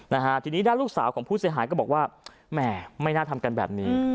นะฮะทีนี้ด้านลูกสาวของผู้เสียหายก็บอกว่าแหมไม่น่าทำกันแบบนี้